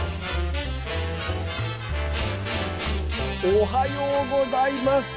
おはようございます。